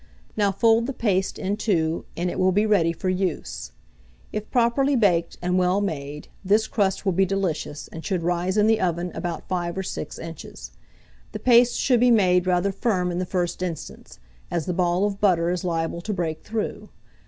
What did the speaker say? Now fold the paste in two, and it will be ready for use. If properly baked and well made, this crust will be delicious, and should rise in the oven about 5 or 6 inches. The paste should be made rather firm in the first instance, as the ball of butter is liable to break through.